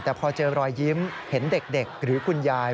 แต่พอเจอรอยยิ้มเห็นเด็กหรือคุณยาย